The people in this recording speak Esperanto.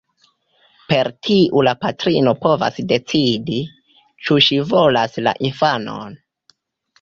Per tiu la patrino povas decidi, ĉu ŝi volas la infanon.